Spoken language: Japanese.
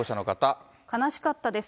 悲しかったです。